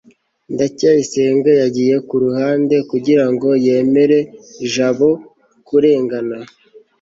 ndacyayisenga yagiye ku ruhande kugira ngo yemere jabo kurengana